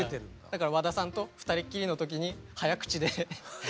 だから和田さんと２人っきりの時に早口でネコの話してる。